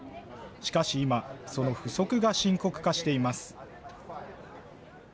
しかし今、その不足が深刻化しています。